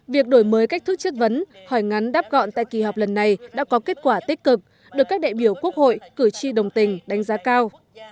việc đổi mới cách thức chất vấn hỏi ngắn đáp gọn tại kỳ họp lần này đã có kết quả tích cực được các đại biểu quốc hội cử tri đồng tình đánh giá cao